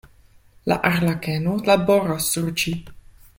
La arlekeno laboros sur ĝi.